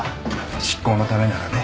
執行のためならね。